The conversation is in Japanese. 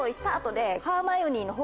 で。